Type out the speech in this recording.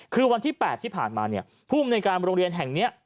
คือวันที่๘ที่ผ่านมาผู้มนิการโรงเรียนแห่งเนี้ย